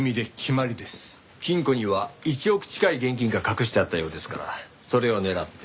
金庫には１億近い現金が隠してあったようですからそれを狙って。